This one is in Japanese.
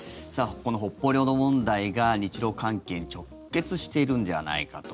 この北方領土問題が日ロ関係に直結しているんではないかと。